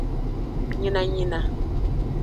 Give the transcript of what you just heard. Nyinanyina.